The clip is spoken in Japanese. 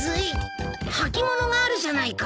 履物があるじゃないか。